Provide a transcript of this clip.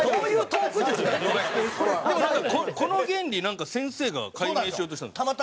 でもこの原理なんか先生が解明しようとしたんですよ。